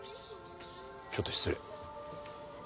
ちょっと失礼。